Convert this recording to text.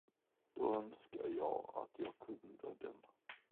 Då önskar jag att jag kunde den.